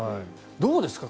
どうですか？